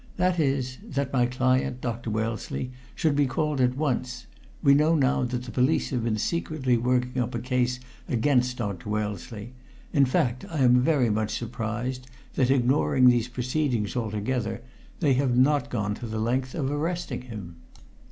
That is, that my client, Dr. Wellesley, should be called at once. We know now that the police have been secretly working up a case against Dr. Wellesley in fact, I am very much surprised that, ignoring these proceedings altogether, they have not gone to the length of arresting him!